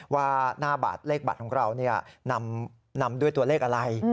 ว่าหน้าบัตรเลขบัตรของเรานำด้วยตัวเลขอะไร